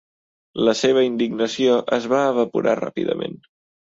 La seva indignació es va evaporar ràpidament.